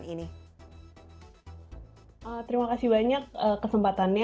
terima kasih banyak kesempatannya